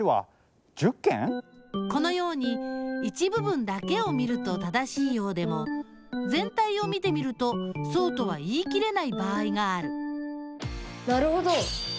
このように一部分だけを見ると正しいようでもぜん体を見てみるとそうとは言い切れない場合があるなるほど！